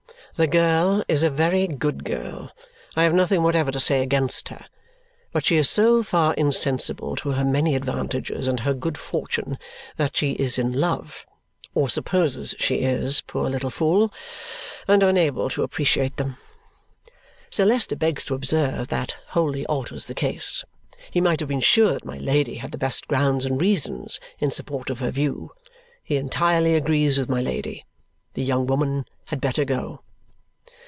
The girl is a very good girl; I have nothing whatever to say against her, but she is so far insensible to her many advantages and her good fortune that she is in love or supposes she is, poor little fool and unable to appreciate them." Sir Leicester begs to observe that wholly alters the case. He might have been sure that my Lady had the best grounds and reasons in support of her view. He entirely agrees with my Lady. The young woman had better go.